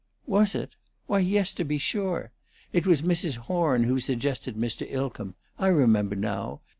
"Was it? Why, yes, to be sure. It was Mrs. Horn who suggested Mr. Ilcomb. I remember now.